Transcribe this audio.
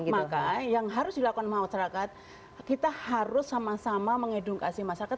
maka yang harus dilakukan masyarakat kita harus sama sama mengedukasi masyarakat